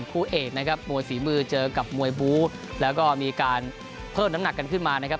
คู่เอกนะครับมวยฝีมือเจอกับมวยบูแล้วก็มีการเพิ่มน้ำหนักกันขึ้นมานะครับ